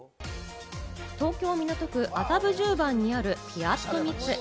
東京・港区麻布十番にある、ピアットミツ。